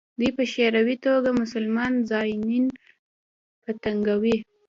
دوی په شعوري توګه مسلمان زایرین په تنګوي.